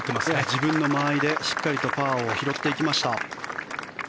自分の間合いでしっかりとパーを拾っていきました。